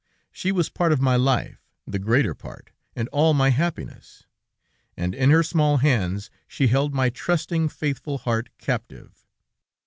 She was part of my life, the greater part, and all my happiness, and in her small hands she held my trusting, faithful heart captive.